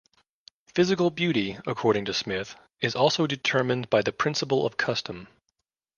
Physical beauty, according to Smith, is also determined by the principle of custom.